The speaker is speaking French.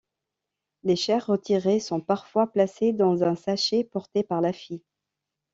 Les chairs retirées sont parfois placées dans un sachet porté par la fille.